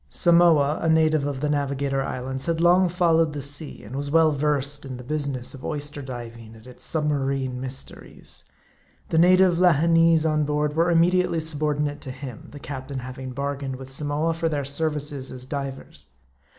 Samoa, a native of the Navigator Islands, had long fol lowed the sea, and was well versed in the business of oyster diving and its submarine mysteries. The native Lahineese on board were immediately subordinate to him ; the captain having bargained with Samoa for their services as divers.